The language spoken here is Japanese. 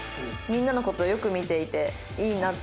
「みんなの事をよく見ていていいなって」